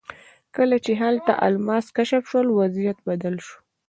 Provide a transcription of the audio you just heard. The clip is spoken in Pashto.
کله چې هلته الماس کشف شول وضعیت بدل شو.